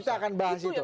kita akan bahas itu